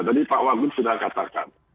tadi pak wagub sudah katakan